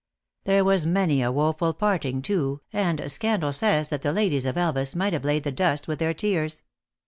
There was many a woeful parting, too, and scandal says that the ladies of Elvas might have laid the dust with their tears.